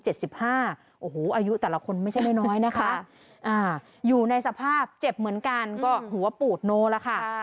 โอ้โหอายุแต่ละคนไม่ใช่ไม่น้อยนะคะอยู่ในสภาพเจ็บเหมือนกันก็หัวปูดโนแล้วค่ะ